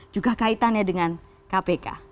juga kaitannya dengan kpk